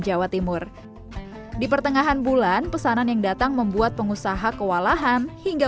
jawa timur di pertengahan bulan pesanan yang datang membuat pengusaha kewalahan hingga